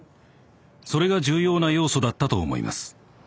それが重要な要素だったと思います。